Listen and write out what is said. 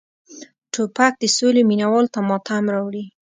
توپک د سولې مینه والو ته ماتم راوړي.